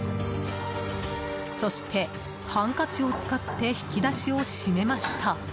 そして、ハンカチを使って引き出しを閉めました。